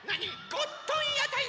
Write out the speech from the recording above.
ゴットンやたいだ！